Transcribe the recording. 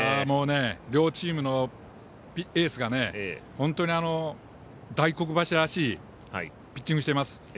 もう両チームのエースが大黒柱らしいピッチングしています。